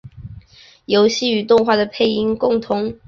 游戏与动画的配音共通。